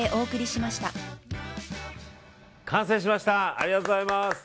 ありがとうございます。